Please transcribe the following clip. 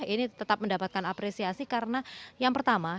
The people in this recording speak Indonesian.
ini tetap mendapatkan apresiasi karena yang pertama